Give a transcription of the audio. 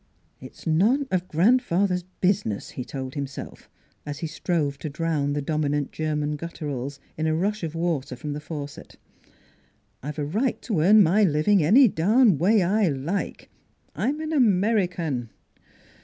" It's none of grandfather's business," he told himself, as he strove to drown the dominant German gutturals in a rush of water from the faucet. " I've a right to earn my living any darn way I like: I'm an American!"